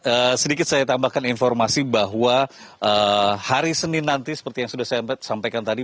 oke sedikit saya tambahkan informasi bahwa hari senin nanti seperti yang sudah saya sampaikan tadi